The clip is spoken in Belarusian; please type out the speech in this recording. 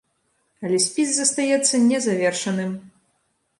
Але спіс застаецца незавершаным!